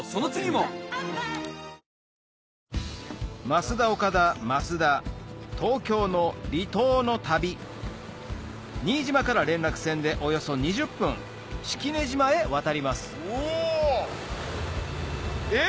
ますだおかだ・増田東京の離島の旅新島から連絡船でおよそ２０分式根島へ渡りますえ